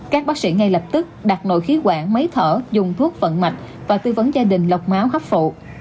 các bác sĩ ngay lập tức đặt nội khí quản máy thở dùng thuốc vận mạch và tư vấn gia đình lọc máu hấp phụ